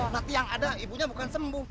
nanti yang ada ibunya bukan sembuh